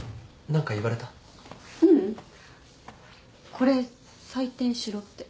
これ採点しろって。